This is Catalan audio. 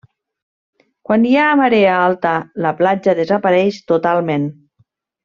Quan hi ha marea alta la platja desapareix totalment.